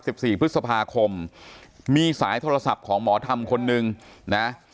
สิบสี่พฤษภาคมมีสายโทรศัพท์ของหมอธรรมคนหนึ่งนะ